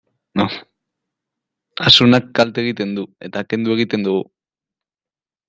Asunak kalte egiten du, eta kendu egiten dugu.